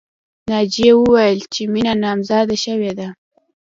ناجیې وویل چې مینه نامزاده شوې ده